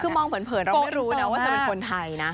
คือมองเผินเราไม่รู้นะว่าเธอเป็นคนไทยนะ